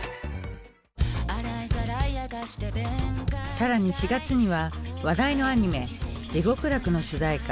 更に４月には話題のアニメ「地獄楽」の主題歌